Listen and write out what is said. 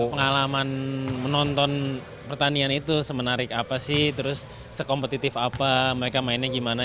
pengalaman menonton pertanian itu semenarik apa sih terus sekompetitif apa mereka mainnya gimana